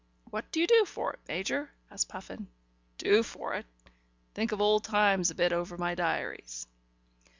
"What do you do for it, Major?" asked Puffin. "Do for it? Think of old times a bit over my diaries."